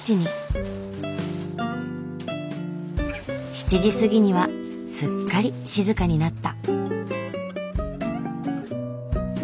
７時過ぎにはすっかり静かになった。